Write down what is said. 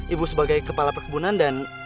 ibu sebagai kepala perkebunan dan